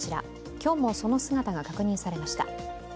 今日もその姿が確認されました。